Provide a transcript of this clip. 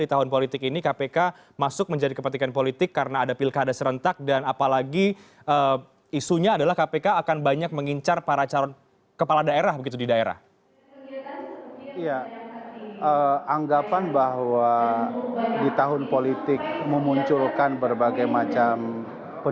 tanpa harus dikait kaitkan dengan proses politik begitu